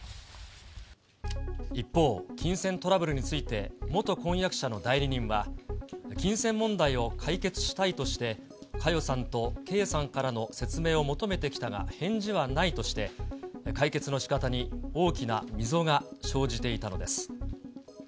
一方、金銭トラブルについて元婚約者の代理人は、金銭問題を解決したいとして、佳代さんと圭さんからの説明を求めてきたが返事はないとして、解決のしかたに大きな溝が生じていたのです。